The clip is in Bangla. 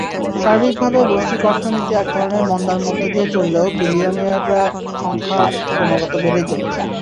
সার্বিকভাবে বৈশ্বিক অর্থনীতি একধরনের মন্দার মধ্য দিয়ে চললেও বিলিয়নিয়ারের সংখ্যা ক্রমাগত বেড়েই চলেছে।